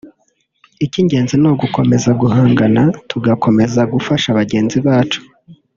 icy’ingenzi ni ugukomeza guhangana tugakomeza gufasha bagenzi bacu(…)”